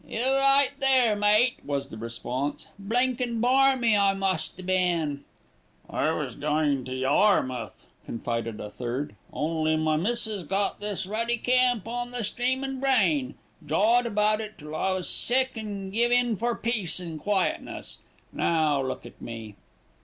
"You're right there, mate," was the response. "Blinkin' barmy I must a' been." "I was goin' to Yarmouth," confided a third, "only my missis got this ruddy camp on the streamin' brain. Jawed about it till I was sick and give in for peace an' quietness. Now, look at me."